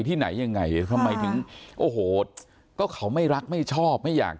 แต่ไม่ได้บอก